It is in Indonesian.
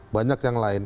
banyak yang lain